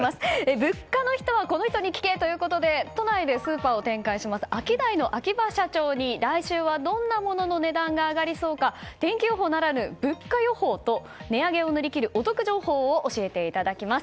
物価のことはこの人に聞けということで都内でスーパーを展開しますアキダイの秋葉社長に来週はどんなものの値段が上がりそうか天気予報ならぬ物価予報と値上げを乗り切るお得情報を伝えていただきます。